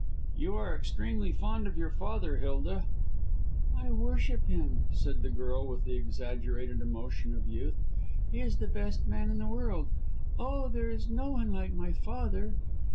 "You are extremely fond of your father, Hilda!" "I worship him," said the girl, with the exaggerated emotion of youth. "He is the best man in the world. Oh, there is no one like my father."